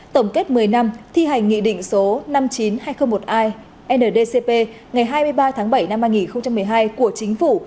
tổng kết một mươi năm thi hành nghị định số năm mươi chín nghìn hai trăm linh một i ndcp ngày hai mươi ba tháng bảy năm hai nghìn một mươi hai của chính phủ